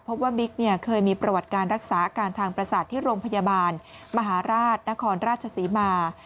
บิ๊กเคยมีประวัติการรักษาอาการทางประสาทที่โรงพยาบาลมหาราชนครราชศรีมา